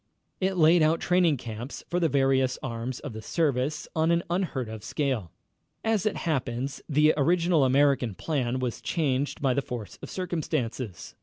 It laid out training camps for the various arms of the service on an unheard of scale. As it happens, the original American plan was changed by the force of circumstances.